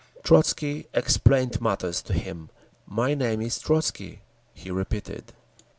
Trotzky explained matters to him. "My name is Trotzky," he repeated.